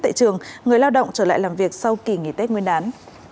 tại trường người lao động trở lại làm việc sau kỳ nghỉ tết nguyên đán